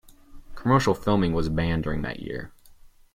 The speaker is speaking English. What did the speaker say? Commercial filming was banned during that year.